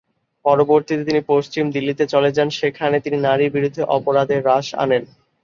পরবর্তীতে, তিনি পশ্চিম দিল্লিতে চলে যান, যেখানে তিনি নারীর বিরুদ্ধে অপরাধে হ্রাস আনেন।